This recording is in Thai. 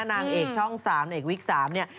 นางเอกช่อง๓เอกวิก๓เนี่ย